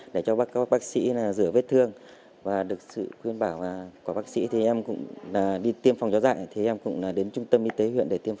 để được tư vấn tiêm phòng và điều trị